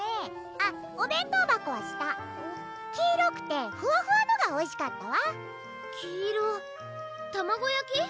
あっお弁当箱は下黄色くてふわふわのがおいしかったわ黄色卵やき？